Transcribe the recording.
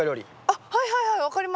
あっはいはいはい分かります。